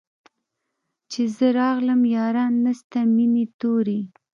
چي زه راغلم ياران نسته مېني توري